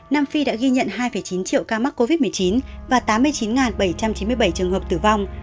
nam phi đã ghi nhận hai chín triệu ca mắc covid một mươi chín và tám mươi chín bảy trăm chín mươi bảy trường hợp tử vong